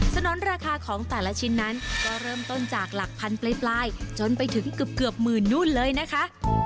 ถนนราคาของแต่ละชิ้นนั้นก็เริ่มต้นจากหลักพันปลายจนไปถึงเกือบหมื่นนู่นเลยนะคะ